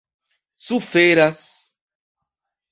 suferas